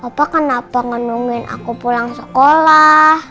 opa kenapa ngenungin aku pulang sekolah